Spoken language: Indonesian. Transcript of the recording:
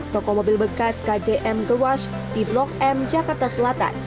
toko mobil bekas kjm the rush di blok m jakarta selatan